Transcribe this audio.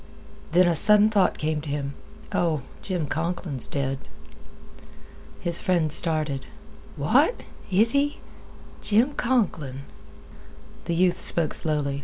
Then a sudden thought came to him. "Oh! Jim Conklin's dead." His friend started. "What? Is he? Jim Conklin?"